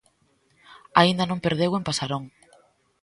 Aínda non perdeu en Pasarón.